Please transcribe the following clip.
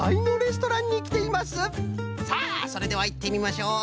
さあそれではいってみましょう！